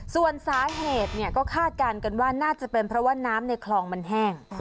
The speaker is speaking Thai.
ส่วนสาเหตุก็คาดการณ์กันว่าน่าจะเป็นเพราะว่าน้ำในคลองมันแห้ง